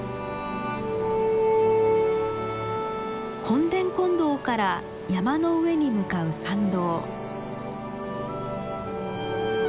本殿金堂から山の上に向かう参道。